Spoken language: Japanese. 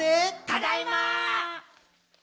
ただいま！